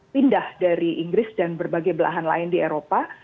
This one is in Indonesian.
pindah dari inggris dan berbagai belahan lain di eropa